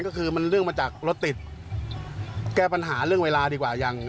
ก็คือมันเรื่องมาจากรถติดแก้ปัญหาเรื่องเวลาดีกว่าอย่าง